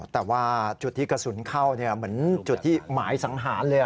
แต่ว่าจุดที่กระสุนเข้าเหมือนจุดที่หมายสังหารเลย